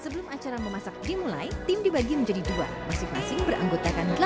sebelum acara memasak dimulai tim dibagi menjadi dua masing masing beranggotakan delapan